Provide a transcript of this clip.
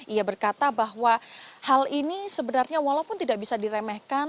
ia berkata bahwa hal ini sebenarnya walaupun tidak bisa diremehkan